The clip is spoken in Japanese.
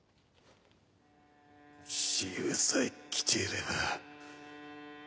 蚩尤さえ来ていれば。